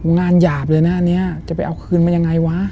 งานหยาบเลยหน้านี้จะไปเอาคืนมายังไงวะ